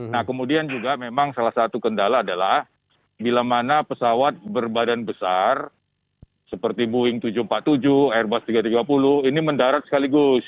nah kemudian juga memang salah satu kendala adalah bila mana pesawat berbadan besar seperti boeing tujuh ratus empat puluh tujuh airbus tiga ratus tiga puluh ini mendarat sekaligus